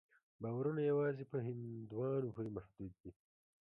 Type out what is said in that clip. باورونه یوازې په هندوانو پورې محدود نه وو.